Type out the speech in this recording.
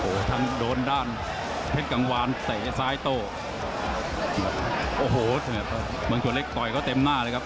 โอ้โหทั้งโดนด้านเพชรกังวานเตะซ้ายโต้โอ้โหเมืองชวนเล็กต่อยเขาเต็มหน้าเลยครับ